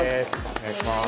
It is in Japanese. お願いします。